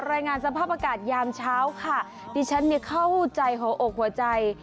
รายงานสภาพอากาศยามเช้าค่ะดิฉันเนี่ยเข้าใจหัวอกหัวใจ